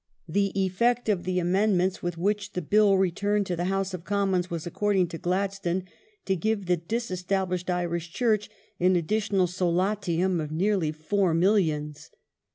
The effect of the amend ments with which the Bill returned to the House of Commons was, according to Gladstone, to give the disestablished Irish Church an additional solatium of nearly four millions.